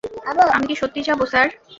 আমি কী সত্যিই যাব, স্যার?